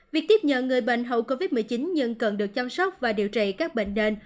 việc tiếp nhận người bệnh hậu covid một mươi chín nhưng cần được chăm sóc và điều trị các bệnh nền